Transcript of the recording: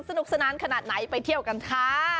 สนุกสนานขนาดไหนไปเที่ยวกันค่ะ